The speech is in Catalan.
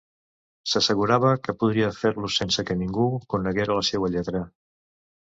S’assegurava que podria fer-los sense que ningú coneguera la seua lletra.